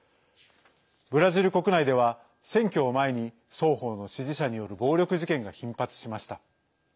ブラジル国内では選挙を前に双方の支持者による暴力事件が頻発しました。